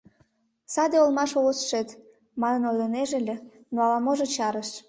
«Саде олма шолыштшет» манынат ойлынеже ыле, но ала-можо чарыш.